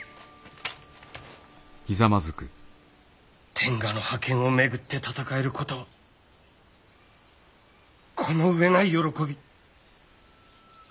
天下の覇権を巡って戦えることこの上ない喜び。